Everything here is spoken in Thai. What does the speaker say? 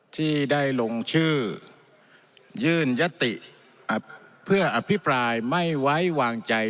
ที่ได้ลงชื่อยื่นยติเพื่ออภิปรายไม่ไว้วางใจ